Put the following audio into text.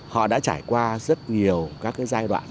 họ đã trải qua rất nhiều các giai đoạn